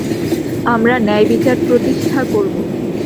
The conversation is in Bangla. আমরা ন্যায়বিচার প্রতিষ্ঠা করব।